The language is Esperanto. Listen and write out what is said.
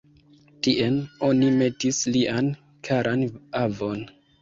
Tien oni metis lian karan avon.